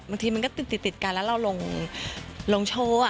บางทีมันก็ติดกันแล้วเราลงโชว์